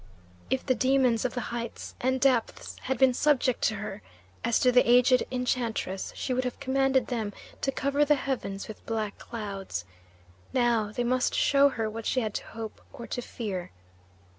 If the demons of the heights and depths had been subject to her, as to the aged enchantress she would have commanded them to cover the heavens with black clouds. Now they must show her what she had to hope or to fear.